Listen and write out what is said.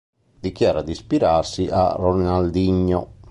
Dichiara di ispirarsi a Ronaldinho.